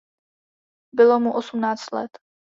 Bylo mu osmnáct let.